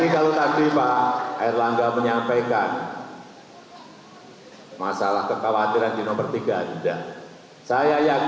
kami ingin meminta ketua umum dpp partai golkar